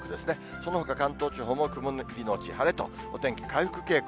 そのほか関東地方も曇り後晴れと、お天気回復傾向。